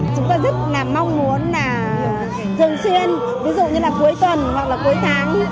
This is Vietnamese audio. chúng ta rất là mong muốn là dường xuyên ví dụ như là cuối tuần hoặc là cuối tháng